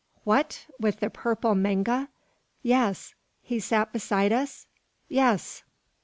"What! with the purple manga?" "Yes." "He sat beside us?" "Yes."